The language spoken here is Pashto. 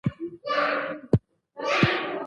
شکیلا ناز د پښتو فلمونو یوه مشهوره اداکاره ده.